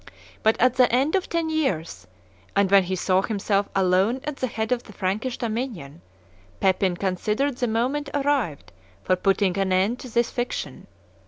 But at the end of ten years, and when he saw himself alone at the head of the Frankish dominion, Pepin considered the moment arrived for putting an end to this fiction.